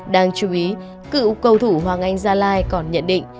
đáng chú ý cựu cầu thủ hoàng anh gia lai còn nhận định